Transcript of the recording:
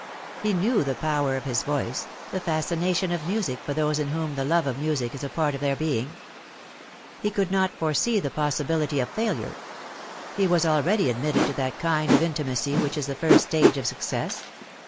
He knew the power of his voice, the fascination of music for those in whom the love of music is a part of their being. He could not foresee the possibility of failure. He was already admitted to that kind of intimacy which is the first stage of success.